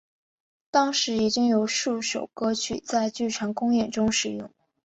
当时已经有数首歌曲在剧场公演中使用。